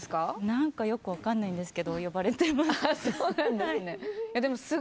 何かよく分からないんですが呼ばれてます。